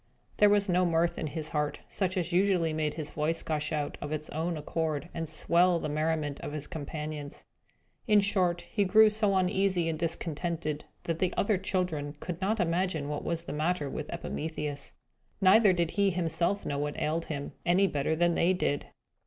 There was no mirth in his heart, such as usually made his voice gush out, of its own accord, and swell the merriment of his companions. In short, he grew so uneasy and discontented, that the other children could not imagine what was the matter with Epimetheus. Neither did he himself know what ailed him, any better than they did.